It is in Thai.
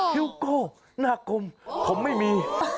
คิวโกคิวโกหน้ากมผมไม่มี